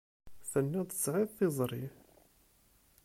Tenniḍ-d tesεiḍ tiẓri.